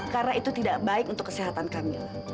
karena itu tidak baik untuk kesehatan kami